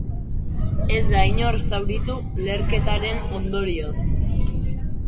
Ez da inor zauritu leherketaren ondorioz.